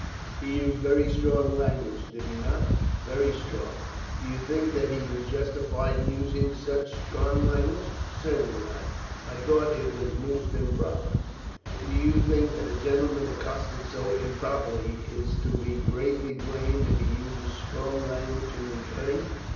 "He used very strong language, did he not?" "Very strong." "Did you think that he was justified in using such strong language?" "Certainly not; I thought that it was most improper." "And do you think that a gentleman accosted so improperly is to be greatly blamed if he uses strong language in return?"